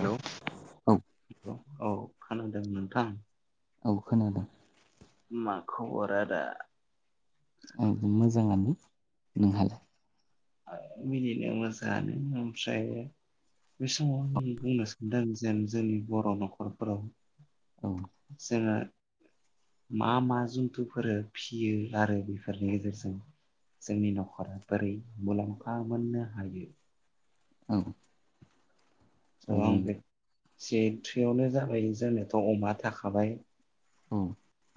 हेल' औ औ खोनादों उम थां औ खोनादों मा खबर आदा मोजाङानो नोंहालाय मिनिनो मोजाङानो ओमफ्राय बे समाव आं बुंनो सानदों जेन जोंनि बर' न'खरफोराव औ जोङो मा मा जुन्थुफोर फियो आरो बेफोरनि गेजेरजों जोंनि न'खरा बोरै मुलाम्फा मोननो हायो। औ। औ गोबां बे सेथियावनो जाबाय जोंनाथ अमा थाखाबाय। औ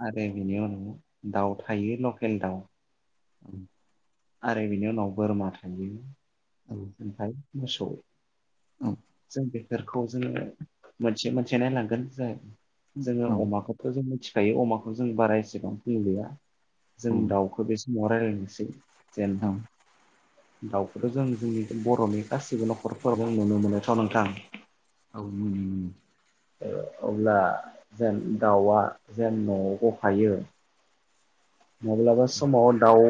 आरो बेनि उनाव दाउ थायो लकेल दाउ [inaudible] आरो बिनि उनाव बोरमा थायो। ओमफ्राय मोसौ जों बे बेखौ जोङो मोनसे मोनसे नायलांगोन जाय जोङो अमाखौथ' जों मिथि दायो अमाखौ जों बारायसिगोन फुं गैया जों दाउखौ बेसे मआ रायलायनोसै। जेन दाउफोर जों जोंनि बर'नि गासिबो न'खरफोरावनो नुनो मोनोथ' नोंथां। औ मोनो ओं। ओ अब्ला जेन दाउआ जेन न'आव गफायो। माब्लाबा समाव दाउ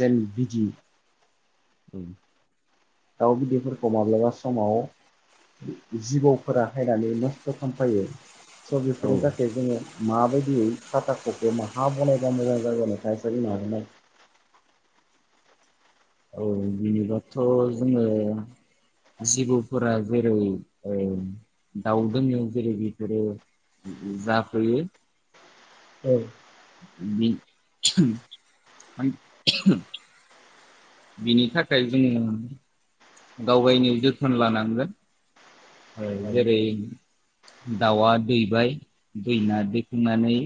जेन बिदि [inaudible] दाउ बिदैफोरखौ माब्लाबा समाव जिबौफोरा हायनानै नस्थ खालामफायो। स औ बिफोरनि थाखाय जोङो माबायदियै खाटाखौ माहा बनायबा मोजां जागोन नोंथाङा एसे बुंनो हागोन ना? औ बिनिबाथ ' जोङो जिबौफोरा जेरै ओ दाउ दोङो जेरै बेफोरो जाफैयो। औ। बि [inaudible] बिनि थाखाय जोङो गाव गायनो जोथोन लानांगोन। ओ औ जेरै दाउआ दैबाय दैना दैखांनानै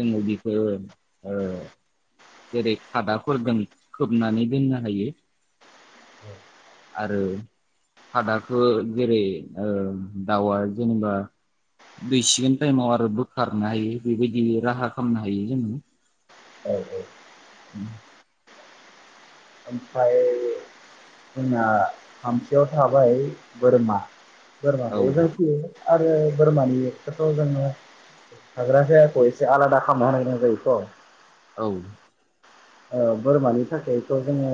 जोङो बेखो ओ जेरै खादाफोरजों खोबनानै दोननो हायो। आरो खादाखो जेरै ओ दाउआ जेनेबा दैसिगोन टाइमाव आरो बोखारनो हायो बेबायदि राहा खालामनो हायो जोङो। औ ओमफ्राय जोंना थामथियाव थाबाय बोरमा। औ बोरमाखौबो जों फियो। आरो बोरमानिखोथ' जोङो थाग्रा जागाखौ एसे आलादा खालामना होनो गोनां जायोथ'। औ। बोरमानि थाखायथ जोङो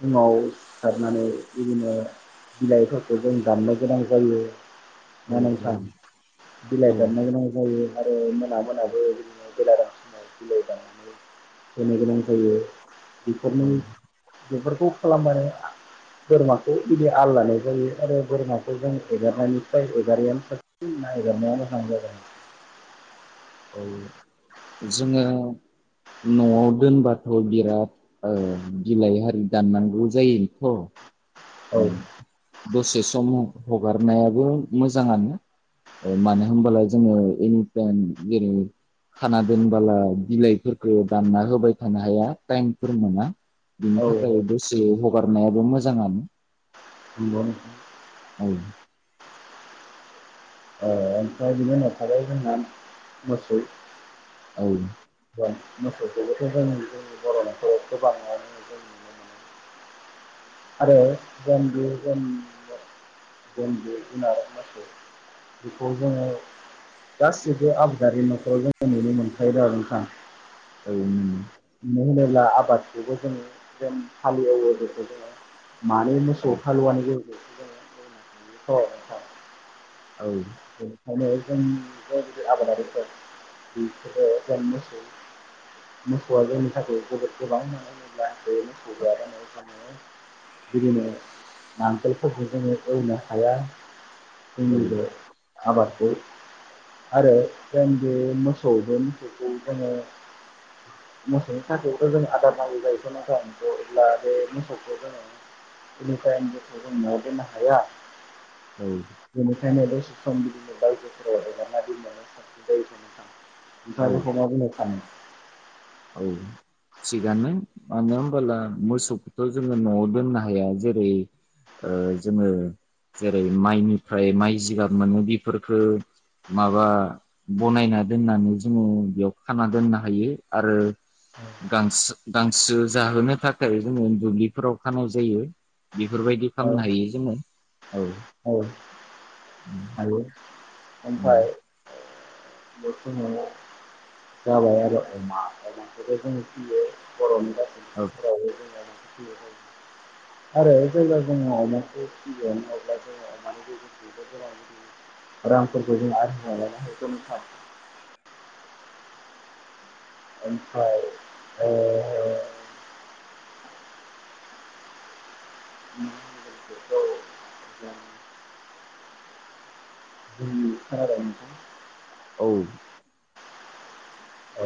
फुङाव सिखारनानै बिदिनो बिलाइफोरखौ जों दाननो गोनां जायो। ना नोंथां बिलाइ दाननो गोनां जायो। आरो मोना मोनाबो बिदिनो बेलारोम समनाय बिलाइ दाननानै होनो गोनां जायो औ बेफोरनि बेफोरखौ खालामबानो बोरमाखौ बिदि आल लानाय जायो आरो बोरमाखौ जों एगारनायनिफ्राय एगारैआानो साबसिन ना एगारनाया मोजां जागोन। औ जोंङो न'आव दोनबाथ बिराद ओ बिलाइ हारि दाननांगौ जायो थ औ उम दसे सम ह हगारनायाबो मोजांङानो ओ मानो होनबाल जोंङो एनिटाइम जेरै खाना दोनबोला बिलाइफोरफोरखौ दानना होबाय थानो हाया टाइमफोर मोना बिनि औ थाखाय दसे हगारनायाबो मोजांङानो। नंगौ नोंथां औ ओ ओमफ्राय बिदिनो उनाव थाबाय जोंहा मोसौ औ [unintelligible] मोसौखौबोथ जों जोंनि बर' नखर गोबाङानो जों नुनो मोनो। [unintelligible] बेखौ जोंङो गासिबो आबादारि नखराव जों नुनो मोनखायो दा नोंथां। औ नो होनोब्ला आबादखौबो जों जों हाल एवो बेखौ जोंङो मानै औ मोसौ हालुवानि गे औ नोथां औ खायनो जों बेदि आबादारिफोर बिसोरो जों मोसौ मोसौआ जोंनि थाखाय जोबोद गोनां मानो होनोब्ला नो बिदिनो नांगोलफोरखौ जोंङो एवनो हाया। [unintelligible] आबादखौ आरो जों बे मोसौ बे मोसौखौ जोंङो मोसौनि थाखाययावथ जों आदार नांगौ जायो नाथाय अब्ला बे मोसौखौ जोंङो एनि टाइम मोसौ जों न'आव दोननो हाया। औ बेनिखायनो [unintelligible] जायो थ नोंथां औ नोंथाङा बेखौ मा बुंनो सानो? औ थिगानो मानो होनबोला मोसौखौथ जोंङो नआव दोननो हाया जेरै जोंङो जेरै माइनिफ्राय माइ जिगाब मोनो बेफोरफोरखौ माबा बनायना दोननानै जोंङो बेयाव खाना दोननो हायो। आरो गांसो गांसो जाहोनो थाखाय जोंङो दुब्लिफोराव खानाय जायो। बेफोरबायदि औ खालामामनो हायो जोंङो औ औ ओमफाय बे समाव जाबाय आरो अमा अमाखौबो जों फियो बर'नि गासैबो ओ न'खरावबो [unintelligible] आरो जेब्ला जोंङो अमाखौ फिगोन अब्ला जों अमानिफ्राय [unintelligible] रां फोरखौ जों आरजिनो हायो थ नोंथां। ओमफ्राय ओ [unintelligible] खोनाबाय नोंथां? औ औ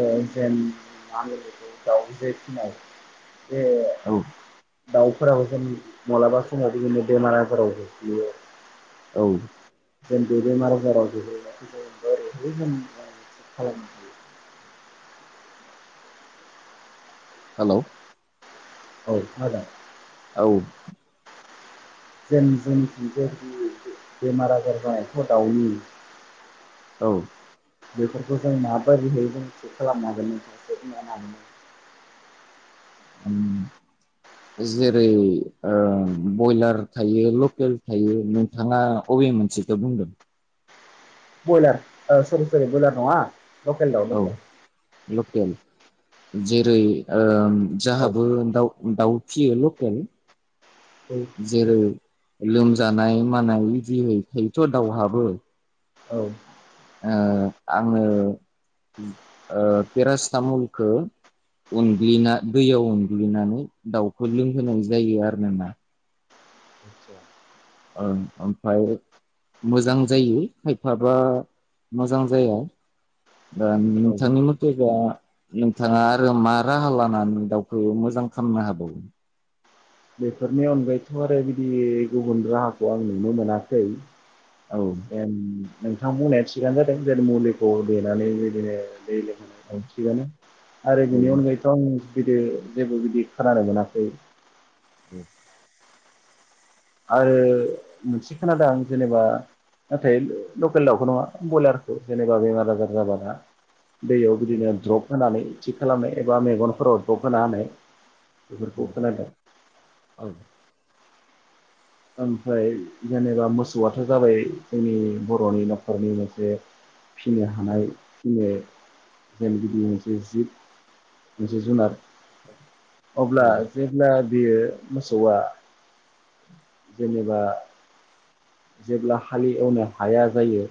ओ जेन मा लोगोखौ दाव जे फिनायाव औ [unintelligible] दाउफोराबो जों मालाबा समाव बिदिनो बेमार आजारफोराव गोग्लैयो। औ [unintelligible] जों बेमार आजार राव गोग्लैनायखौ जों बोरैहाय जों माजो थिग खालामनो हायो। हेलोव औ खोनादों। औ जों जों जि [unintelligible] आजार जानायखौ दाउनि औ बेफोरखौ जों माबाददिहै जों थिक खालाम हांगोन नोंथाङा एसे बुंनो हागोनना? जेरै ओ बयलार थायो लकेल थायो नोंथाङा अबे मोनसेखौ बुंदों। ब्रयलार स सरि सरि ब्रयलार नङा। लकेल दाउ औ लकेल लकेल। जेरै ओम औ जोहाबो दाउ दाउ फियो लकेल जेरै लोमजानाय मानाय [inaudible] थायोथ दाावहाबो। औ ओ आङो ओ पेरासटामलखो उनग्लिना दैयाव उनग्लिनानै दाउखो लोंहोनाय जायो आरो ना। आदसा ओं ओमफ्राय मोजां जायो खायफाबा मोजां जाया दा औ नोंथांनि मथेबा नोंथाङा आरो मा राहा लानानै दाउखौ मोजां खालामनो हाबावो। बेफोरनि अनगायैथ' आरो बिदि गुबुन राहाखौ आं नुनो मोनाखै। औ एम नोंथां बुंनाया थिगानो जादों जों मुलिखौ देनानै बेबादिनो दै लों औ थिगानो आरो औ बिनि अनगायैथ आं बिदो जेबो बिदि खोनानो मोनाखै। [inaudible] आरो मोनसे खोनादों आं जेनेबा नाथाय लकेल दाउखौ नङा बयलारखौ जेनेबा बेमार आजार जाबा ना दैयाव बिदिनो द्रप होनानै थि खालामनाय एबा मेगनफोराव द्रप होना होनाय। बेफोरखौ खोनादों। औ ओमफ्राय जेनेबा मोसौआथ' जाबाय जोंनि बर'नि न'खरनि मोनसे फिनो हानाय फिनो जों बिदि मोनसे जिब मोनसे जुनार अब्ला औ जेब्ला बेयो मोसौआ जेनेबा जेब्ला हालि एवनो हाया जायो।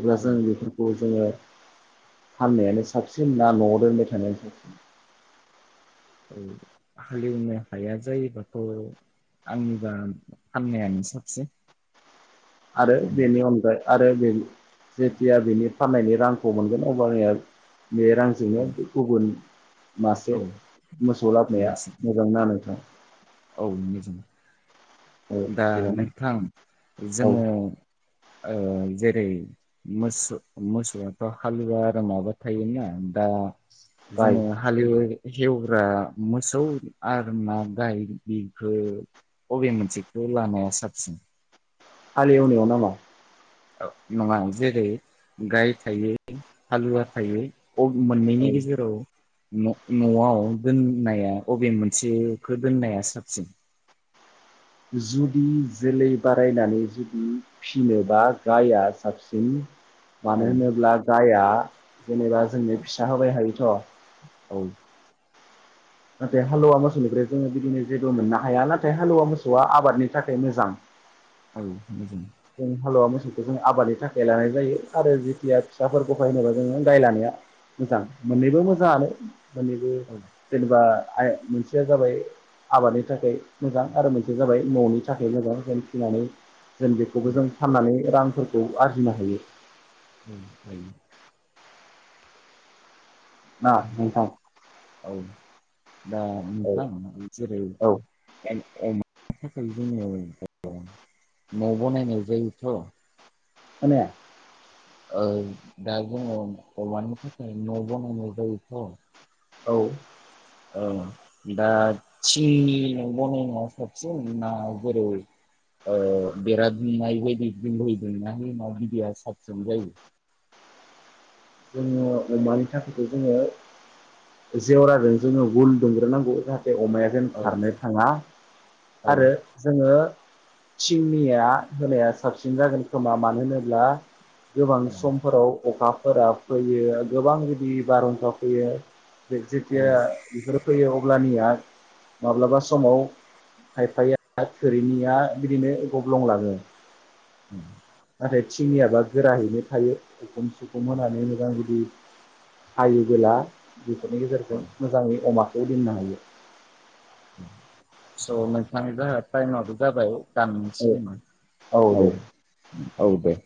अब्ला औ जों बेफोरखौ जोङो फाननायानो साबसिन ना न'आव दोनबाय थानायानो साबसिन? औ हालेवनो हाया जायोबाथ' आंनिबा फाननायानो साबसिन। आरो बेनि अनगा आरो बेदि जेथिया बेनि फाननायनि रांखौ मोनगोन अब्लानिया बे औ रांजोंनो गु गुबुन मासे मोसौ लाबोनाया होननासिम मोजांना नोंथां? औ मोजां औ दा थिगानो नोंथां औ जोङो ओ जे ओइ मोसौ मोसौआथ' हालुवा आरो माबा थायोना दा बाय बेवाय हेवग्रा मोसौ आरो ना गाय बेखो बबे मोनसेखो लानाया साबसिन हालेवनायाव नामा? औ नङा जेरै गाय थायो हालुवा थायो अम औ मोन्नैनायनि गेजेराव। न नआव दोननाया अबे मोनसेखौ दोननाया साबसिन। जुदि जोलै बारायनानै जुदि फिनोबा गायआ साबसिन। औ मानो होनोब्ला गाया जेनेबा जोंनो फिसा होबाय हायोथ। औ। नाथाय हालुवा मोसौनिफ्राय जोङो बिदिनो जेबो मोननो हाया नाथाय हालुवा मोसौआ आबादनि थाखाय मोजां। औ मोजां। जों हालुवा मोसौखौ जों आबादनि थाखाय लानाय जायो आरो जेथिया फिसाफोरखौहाय होनोबा जोङो गाय लानाया मोजां मोननैबो मोजाङानो। मोन्नैबो औ जेनेबा आय मोनसेया जाबाय आबादनि थाखाय मोजां आरो मोन बे जाबाय ननि थाखाय मोजां [unintelligible] फिनानै दोन खौबो जों फाननानै रां फोरखौ आरजिनो हायो। उम हायो। ना नोंथां। औ दा नोंथां जेरै खोनाया गाय अमानि थाखाय जोङो न बानायनाय जायोथ। खोनाया। औ दा जोङो अमानि थाखाय न बनायनाय जायोथ। औ। औ दा थिंनि न बनायनाया साबसिन ना बोरै ओ बेरा दुमनाय बायदि बिलहैदोंना ना बिदिया साबसिन जायो। जोङो अमानि थाखायखौ जोङो जेवराजों जोङो गुल दुंग्रोनांगौ जाहाथ बे अमाया जेन औ खारनो थाङा औ आरो जोङो थिंनिया होनाया साबसिन जागोन खोमा मानो होनोब्ला गोबां औ समफोराव अखा फोराव फैयो गोबां जुदि बारहुंखा फैयो। जे जेथिया बेफोरो फैयो अब ब्लानिया माब्लाबा समाव खायफाया थोरिनिया बिदिनो गब्लंलांङो। उम बे थिंनियाबा गोराहैनो थायो। उखुम सुुखुम होनानै नो दा बिदि हायोबोला बेफोरनि औ गेजेरजों मोजाङै अमा बे दोननो हायो। स नोंथां जोंहा थाइम आ बो जाबाय गान मोनसिगोन ना औ औ दे